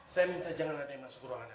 saya minta jangan ada yang masuk ke ruangan